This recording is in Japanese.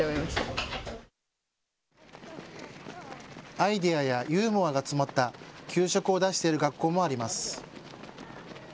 アイデアやユーモアが詰まった給食を出している学校もあります。